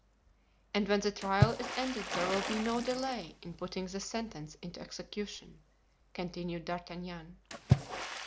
"And when the trial is ended there will be no delay in putting the sentence into execution," continued D'Artagnan.